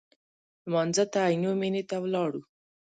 لمانځه ته عینومېنې ته ولاړو.